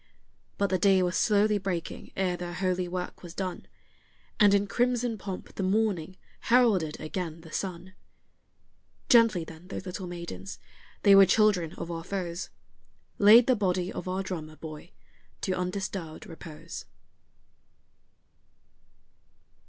But the day was slowly breaking ere their holy work was done, And in crimson pomp the morning heralded again the sun. Gently then those little maidens they were children of our foes Laid the body of our drummer boy to undisturbed repose.